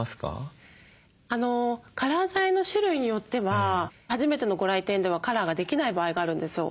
カラー剤の種類によっては初めてのご来店ではカラーができない場合があるんですよ。